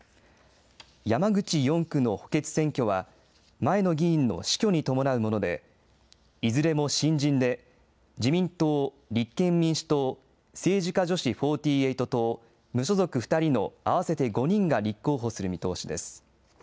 山口４区の補欠選挙は、前の議員の死去に伴うもので、いずれも新人で、自民党、立憲民主党、政治家女子４８党、無所属２人の合わせて５人が立候補する見通しです。